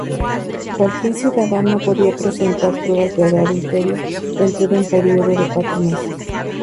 Cualquier ciudadano podía presentar pruebas del adulterio dentro de un período de cuatro meses.